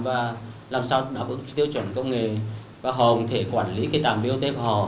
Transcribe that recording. và làm sao đáp ứng tiêu chuẩn công nghệ và họ có thể quản lý cái trạm bot của họ